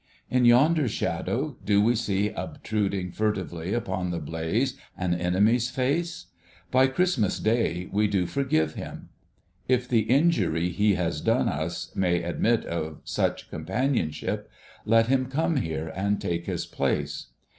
In yonder shadow, do we see obtruding furtively upon the blaze, an enemy's face ? By Christmas Day we do forgive him ! If the injury he has done us may admit of such companion ship, let him come here and take his place.